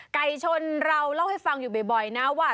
ไก่ชนเราเล่าให้ฟังอยู่บ่อยนะว่า